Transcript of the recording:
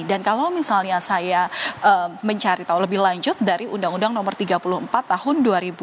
dan kalau misalnya saya mencari tahu lebih lanjut dari undang undang no tiga puluh empat tahun dua ribu empat